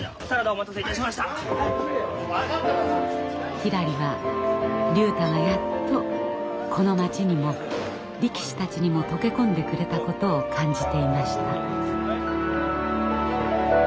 ひらりは竜太がやっとこの町にも力士たちにもとけ込んでくれたことを感じていました。